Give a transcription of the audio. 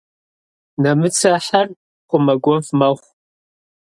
Нэмыцэхьэр хъумакӏуэфӏ мэхъу.